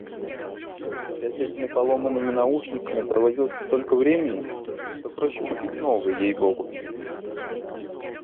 Я с этими поломанными наушниками провозился столько времени, что проще купить новые, ей богу!